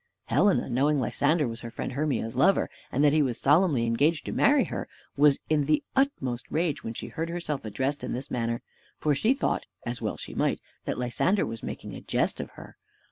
Helena, knowing Lysander was her friend Hermia's lover, and that he was solemnly engaged to marry her, was in the utmost rage when she heard herself addressed in this manner; for she thought (as well she might) that Lysander was making a jest of her.